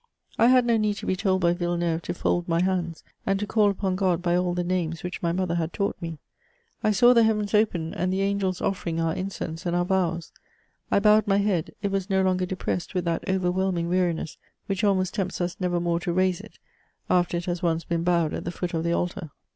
I had no need to be told by Villeneuve to fold my hands and to call upon God by all the names which my mother had taught me ; I saw the heavens opened and the angels offering our incense and our vows ; I bowed my head, it was no longer depressed with that overwhelming weari ness which almost tempts us never more to raise it after it has once been bowed at the foot of the altar.